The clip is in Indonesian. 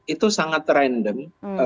itu sangat random